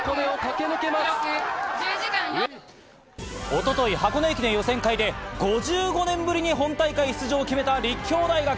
一昨日、箱根駅伝予選会で５５年ぶりに本大会出場を決めた立教大学。